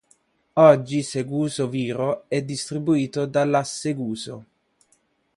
Oggi Seguso Viro è distribuito dalla Seguso.